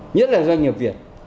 nhất là doanh nghiệp việt